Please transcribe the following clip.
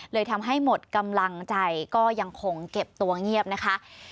เลยทำให้หมดกำลังใจก็ยังคงเก็บตัวเงียบนะคะ